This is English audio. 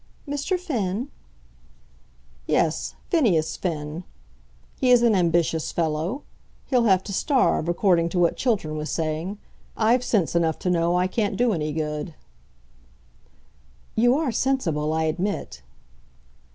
"Mr. Finn?" "Yes; Phineas Finn. He is an ambitious fellow. He'll have to starve, according to what Chiltern was saying. I've sense enough to know I can't do any good." "You are sensible, I admit."